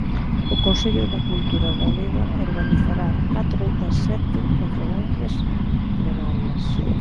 O Consello da Cultura Galega organizará catro das sete conferencias plenarias.